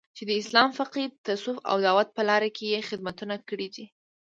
چې د اسلامي فقې، تصوف او دعوت په لاره کې یې خدمتونه کړي دي